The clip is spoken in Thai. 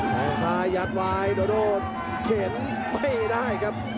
แทงซ้ายยัดไว้โดโดเข็นไม่ได้ครับ